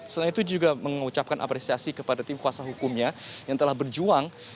selain itu juga mengucapkan apresiasi kepada tim kuasa hukumnya yang telah berjuang